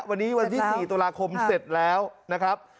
วันนี้วันที่๔ตุลาคมเสร็จแล้วนะครับ